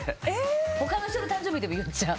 他の人の誕生日でも言っちゃう。